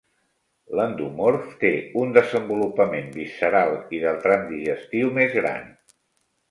L'endomorf té un desenvolupament visceral i del tram digestiu més gran.